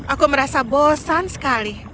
aku merasa bosan sekali